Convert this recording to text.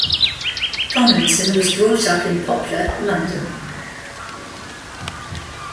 Tomlinson was brought up in Poplar, London.